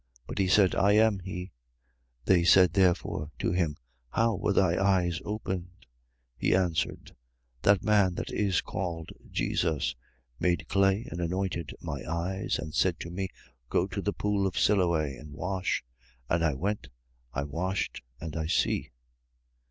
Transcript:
But he said: I am he. 9:10. They said therefore to him: How were thy eyes opened? 9:11. He answered: That man that is called Jesus made clay and anointed my eyes and said to me: Go to the pool of Siloe and wash. And I went: I washed: and I see.